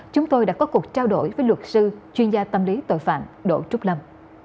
chúng tôi đã có cuộc trao đổi với luật sư chuyên gia tâm lý tội phạm đỗ trúc lâm